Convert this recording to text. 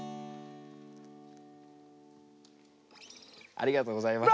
ありがとうございます。